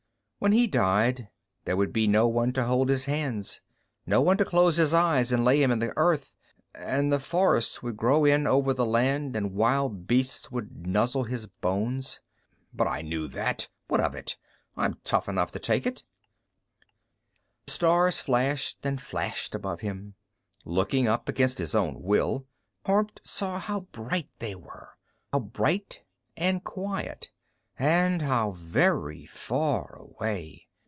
When he died, there would be no one to hold his hands; no one to close his eyes and lay him in the earth and the forests would grow in over the land and wild beasts would nuzzle his bones. But I knew that. What of it? I'm tough enough to take it. The stars flashed and flashed above him. Looking up, against his own will, Kormt saw how bright they were, how bright and quiet. And how very far away!